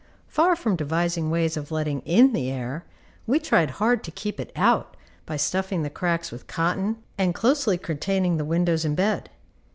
Far from devising ways of letting in the air, we tried hard to keep it out by stuffing the cracks with cotton, and closely curtaining the windows and bed.